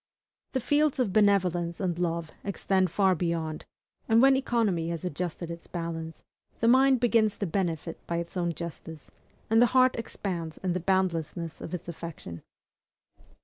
The fields of benevolence and love extend far beyond; and when economy has adjusted its balance, the mind begins to benefit by its own justice, and the heart expands in the boundlessness of its affection.